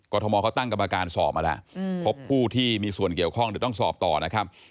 ทมเขาตั้งกรรมการสอบมาแล้วพบผู้ที่มีส่วนเกี่ยวข้องเดี๋ยวต้องสอบต่อนะครับ